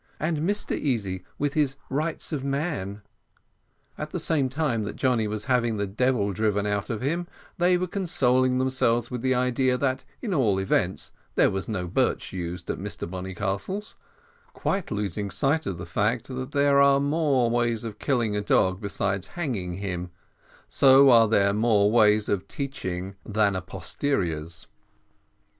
And Mr Easy, with his rights of man? At the very time that Johnny was having the devil driven out of him, they were consoling themselves with the idea, that, at all events, there was no birch used at Mr Bonnycastle's, quite losing sight of the fact, that as there are more ways of killing a dog besides hanging him, so are there more ways of teaching than a posteriori.